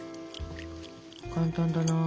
簡単だな。